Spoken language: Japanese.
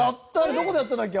どこでやったんだっけ？